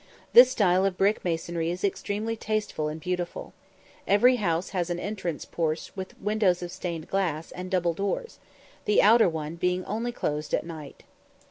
This style of brick masonry is extremely tasteful and beautiful. Every house has an entrance porch with windows of stained glass, and double doors; the outer one being only closed at night.